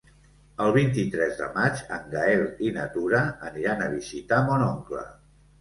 El vint-i-tres de maig en Gaël i na Tura aniran a visitar mon oncle.